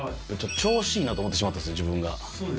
調子いいなと思ってしまったんですね、自分が。